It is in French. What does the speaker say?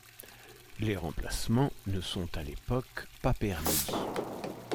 Les remplacements ne sont à l'époque pas permis.